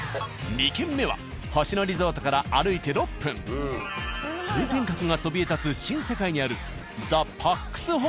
２軒目は星野リゾートから歩いて６分通天閣がそびえ立つ新世界にある。